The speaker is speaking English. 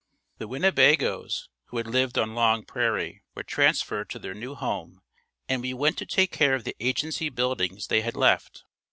The Winnebagoes who had lived on Long Prairie were transferred to their new home and we went to take care of the agency buildings they had left.